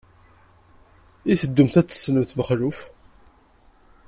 I teddum ad d-tessnem Mexluf?